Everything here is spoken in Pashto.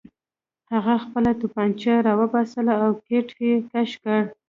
هغه خپله توپانچه راوباسله او ګېټ یې کش کړ